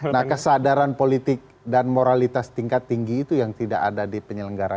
nah kesadaran politik dan moralitas tingkat tinggi itu yang tidak ada di penyelenggara